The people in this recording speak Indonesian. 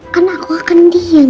kan aku akan diam